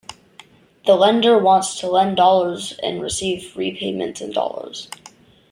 The lender wants to lend dollars and receive repayments in dollars.